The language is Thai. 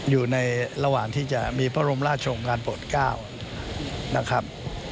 อยู่ในระหว่างที่จะมีพระบรมราชงการโปรด๙นะครับ